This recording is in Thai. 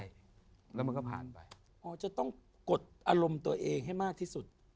แล้วมันก็ผ่านไปอ๋อจะต้องกดอารมณ์ตัวเองให้มากที่สุด